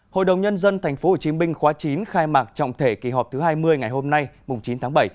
hội đồng nhân dân tp hcm khóa chín khai mạc trọng thể kỳ họp thứ hai mươi ngày hôm nay chín tháng bảy